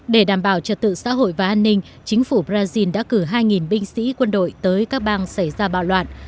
để đảm bảo trật tự xã hội và an ninh chính phủ brazil đã cử hai binh sĩ quân đội tới các bang xảy ra bạo loạn